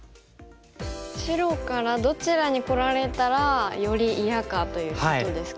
白からどちらにこられたらより嫌かということですか。